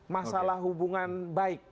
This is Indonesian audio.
masalah hubungan baik